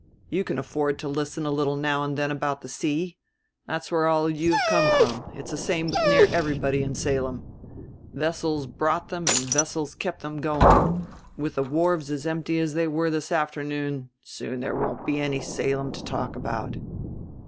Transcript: You can afford to listen a little now and then about the sea. That's where all you have came from; it's the same with near everybody in Salem. Vessels brought them and vessels kept them going; and, with the wharves as empty as they were this afternoon, soon there won't be any Salem to talk about."